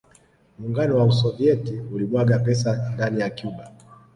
Muungano wa Usovieti ulimwaga pesa ndani ya Cuba